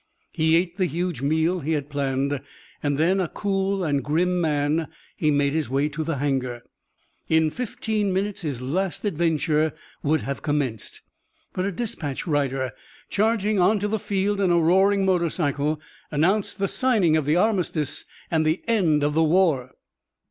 He ate the huge meal he had planned. And then, a cool and grim man, he made his way to the hangar. In fifteen minutes his last adventure would have commenced. But a dispatch rider, charging on to the field in a roaring motor cycle, announced the signing of the Armistice and the end of the war.